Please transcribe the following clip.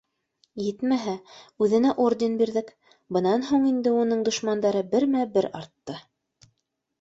Етмәһә, үҙенә орден бирҙек, бынан һуң инде уның дошмандары бермә-бер арт- I ты